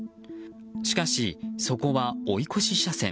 しかし、そこは追い越し車線。